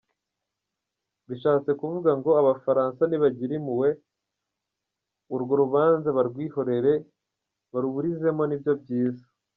Bishatse kuvuga ngo Abafaransa nibagire impuhwe, urwo rubanza barwihorere, baruburizemo, nibyo byiza !!!